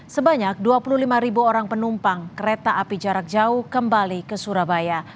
sebanyak dua puluh lima ribu orang penumpang kereta api jarak jauh kembali ke surabaya